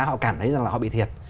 họ cảm thấy rằng là họ bị thiệt